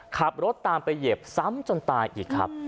ขับรถตามไปเหยียบซ้ำจนตายอีกครับ